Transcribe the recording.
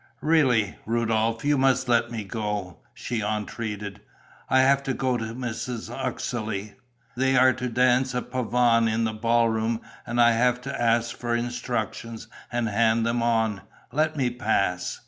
"Really, Rudolph, you must let me go," she entreated. "I have to go to Mrs. Uxeley. They are to dance a pavane in the ball room and I have to ask for instructions and hand them on. Let me pass."